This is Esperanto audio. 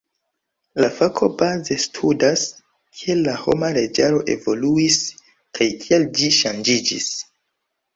La fako baze studas, kiel la homa leĝaro evoluis kaj kial ĝi ŝanĝiĝis.